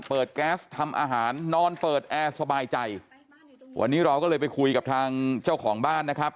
แก๊สทำอาหารนอนเปิดแอร์สบายใจวันนี้เราก็เลยไปคุยกับทางเจ้าของบ้านนะครับ